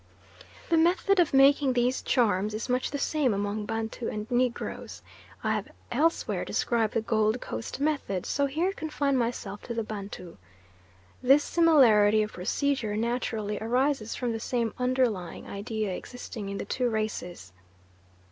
The method of making these charms is much the same among Bantu and Negroes: I have elsewhere described the Gold Coast method, so here confine myself to the Bantu. This similarity of procedure naturally arises from the same underlying idea existing in the two races.